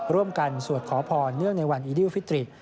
ร่วมกันสวดขอพรเนื่องในวันอีดิวฟิตริต